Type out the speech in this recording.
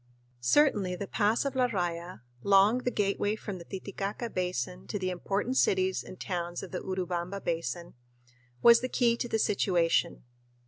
Certainly the pass of La Raya, long the gateway from the Titicaca Basin to the important cities and towns of the Urubamba Basin, was the key to the situation.